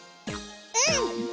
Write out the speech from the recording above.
うん！